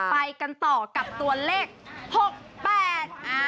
ไปกันต่อกับตัวเลขหกแปดอ่า